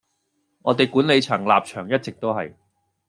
我哋管理層立場一直都係